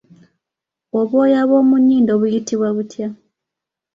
Obwoya bw’omu nnyindo buyitibwa butya?